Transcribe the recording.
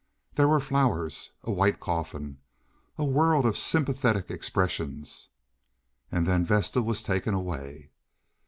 There were flowers, a white coffin, a world of sympathetic expressions, and then Vesta was taken away.